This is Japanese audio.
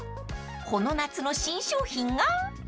［この夏の新商品が］